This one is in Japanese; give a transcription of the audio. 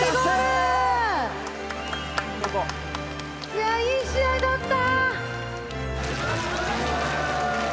いやいい試合だった！